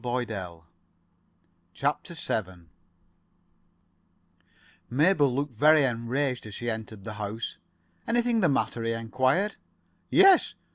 [Pg 49] CHAPTER VII Mabel looked very enraged as she entered the house. "Anything the matter?" he enquired. "Yes.